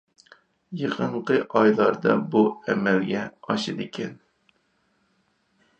يېقىنقى ئايلاردا بۇ ئەمەلگە ئاشىدىكەن.